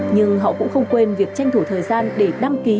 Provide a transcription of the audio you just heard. nhưng họ cũng không quên việc tranh thủ thời gian để đăng ký